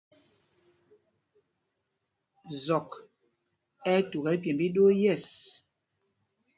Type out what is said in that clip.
Zɔk ɛ́ ɛ́ tukɛl pyêmb íɗoo yɛ̂ɛs.